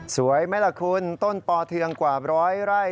สวยไหมล่ะคุณต้นปอเทืองกว่าร้อยไร่